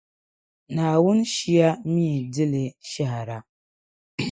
Naawuni Shia mi di li shɛhira.